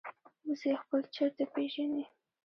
وزې خپل چرته پېژني